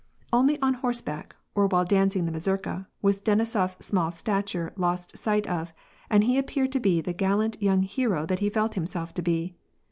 Only on horseback, or while dancing the mazurka, was Den isof s small stature lost sight of, and he appeared to be the gallant young hero that he felt himself to be.